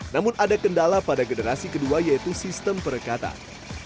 namun ada kendala pada generasi kedua yaitu sistem perekatan